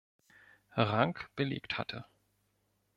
Rang belegt hatte.